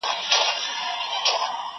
د وېرې او بېباورۍ دا فضا ختمه کړي.